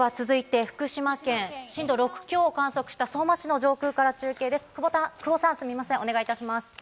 続いて福島県、震度６強を観測した相馬市の上空から中継です。